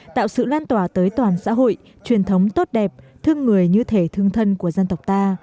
tạo sự lan tỏa tới toàn xã hội truyền thống tốt đẹp thương người như thể thương thân của dân tộc ta